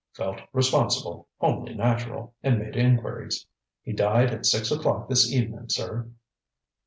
Felt responsible, only natural, and made inquiries. He died at six o'clock this evenin', sir.